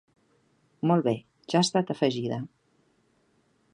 Molt bé, ja ha estat afegida.